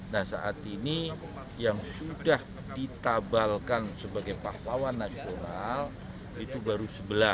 nah saat ini yang sudah ditabalkan sebagai pahlawan nasional itu baru sebelas